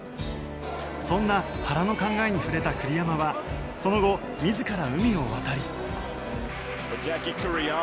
そんな原の考えに触れた栗山はその後自ら海を渡り。